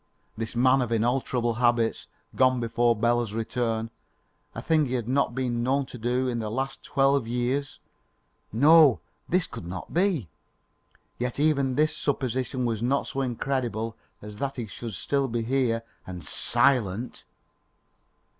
this man of inalterable habits gone before Bela's return a thing he had not been known to do in the last twelve years? No, no, this could not be. Yet even this supposition was not so incredible as that he should still be here and SILENT.